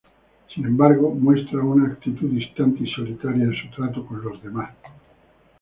Sin embargo muestra una actitud distante y solitaria en su trato con los demás.